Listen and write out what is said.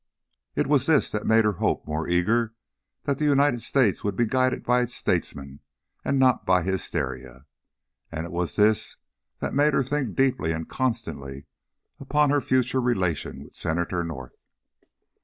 It was this that made her hope more eager that the United States would be guided by its statesmen and not by hysteria, and it was this that made her think deeply and constantly upon her future relation with Senator North.